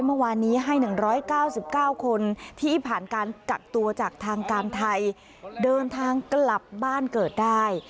เมื่อวานนี้ให้๑๙๙คนที่ผ่านการกักตัวจากทางการไทยเดินทางกลับบ้านเกิดได้